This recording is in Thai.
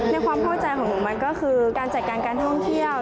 ความเข้าใจของหนูมันก็คือการจัดการการท่องเที่ยว